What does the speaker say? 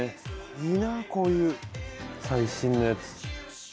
いいなこういう最新のやつ。